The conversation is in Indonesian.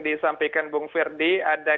disampaikan bung firdy ada